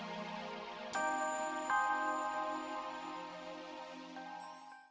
udah ketahuan panas